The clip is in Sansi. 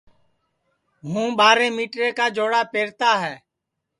ہوں ٻاریں مِٹریں کا چوڑا پہرتا ہے